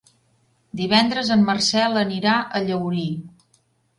Divendres en Marcel anirà a Llaurí.